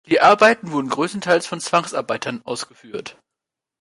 Die Arbeiten wurden größtenteils von Zwangsarbeitern ausgeführt.